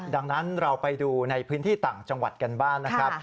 ดังนั้นเราไปดูในพื้นที่ต่างจังหวัดกันบ้างนะครับ